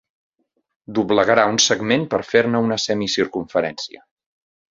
Doblegarà un segment per fer-ne una semicircumferència.